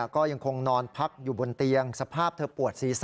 ก็ยังคงนอนพักอยู่บนเตียงสภาพเธอปวดศีรษะ